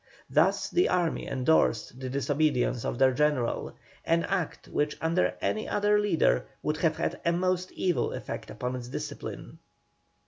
Thus the army endorsed the disobedience of their General, an act which under any other leader would have had a most evil effect upon its discipline.